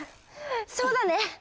そうだね。